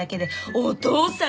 お父さん？